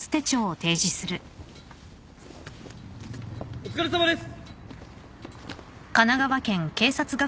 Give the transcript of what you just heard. お疲れさまです！